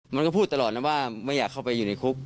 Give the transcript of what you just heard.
มันก็พูดตลอดนะว่าไม่อยากเข้าไปอยู่ในคุก